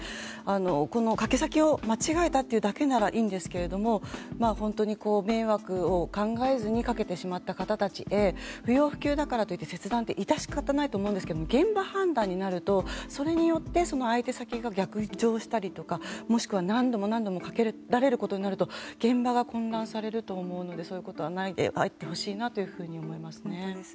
この掛け先を間違えたっていうだけならいいんですが本当に迷惑を考えずにかけてしまった方たちへ不要不急だからといって切断って致し方ないと思うんですが現場判断になるとそれによってその相手先が逆上したりとかもしくは何度も何度もかけられることになると現場が混乱されると思うのでそういうことはないでほしいなというふうに思いますね。